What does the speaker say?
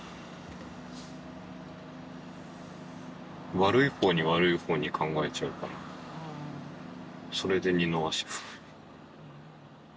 悪い方に悪い方に考えちゃうからそれで二の足踏む。